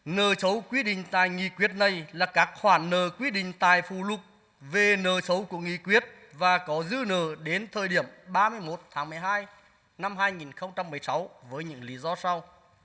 nợ xấu quy định tại nghị quyết này là các khoản nợ quy định tài phù lục về nợ xấu của nghị quyết và có dư nợ đến thời điểm ba mươi một tháng một mươi hai năm hai nghìn một mươi sáu với những lý do sau